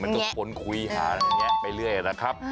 มันก็โฟนคุยแงะไปเรื่อยนะครับ